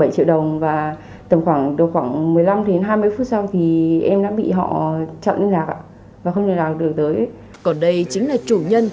còn đây chính là chủ nhân